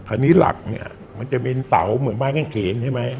อันนี้หลักเนี่ยมันจะเป็นเสาเหมือนบ้านข้างเขนใช่ไหม